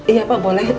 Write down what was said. iya pak boleh